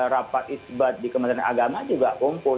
rapat isbat di kementerian agama juga kumpul